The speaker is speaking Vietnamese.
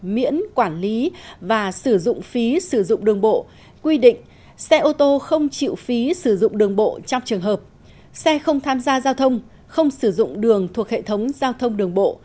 miễn quản lý và sử dụng phí sử dụng đường bộ quy định xe ô tô không chịu phí sử dụng đường bộ trong trường hợp xe không tham gia giao thông không sử dụng đường thuộc hệ thống giao thông đường bộ